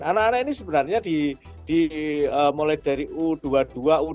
anak anak ini sebenarnya mulai dari u dua puluh dua u dua puluh tiga u dua puluh empat